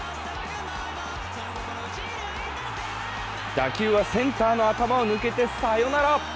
打球はセンターの頭を抜けてサヨナラ。